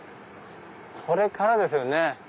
これからですね